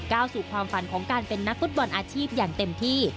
สู่ความฝันของการเป็นนักฟุตบอลอาชีพอย่างเต็มที่